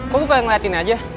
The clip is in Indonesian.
kok lu pengen ngeliatin aja